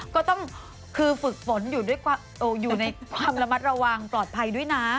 ก็ต้องคือฝึกฝนอยู่ในความระมัดระวังปลอดภัยด้วยนะ